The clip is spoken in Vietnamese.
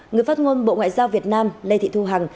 người phát ngôn bộ ngoại giao việt nam lê thị thu hằng